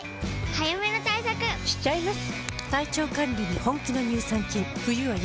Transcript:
早めの対策しちゃいます。